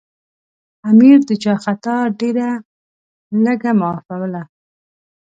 امیر د چا خطا ډېره لږه معافوله.